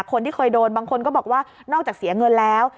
คนที่เคยโดนบางคนก็บอกว่านอกจากเสียเงินแล้ว